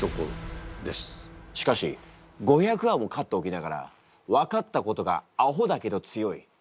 しかし５００わも飼っておきながら分かったことが「アホだけど強い」。